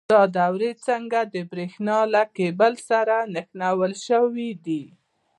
دا دورې څنګه د برېښنا له کیبل سره نښلول شوي دي؟